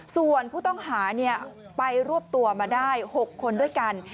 ส่วนผู้ต้องหาไปรวบตัวมาได้๖คนด้วยกัน